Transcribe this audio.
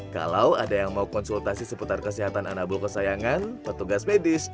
kalau ada yang mau konsultasi seputar kesehatan anabul kesayangan petugas medis